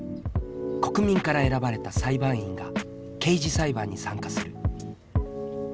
国民から選ばれた裁判員が刑事裁判に参加する。